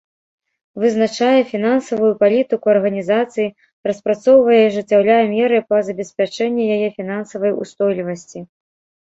Вызначае фінансавую палітыку арганізацыі, распрацоўвае і ажыццяўляе меры па забеспячэнні яе фінансавай устойлівасці.